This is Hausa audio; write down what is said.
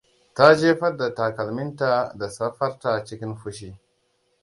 Ta jefar da takalminta da safarta cikin fushi.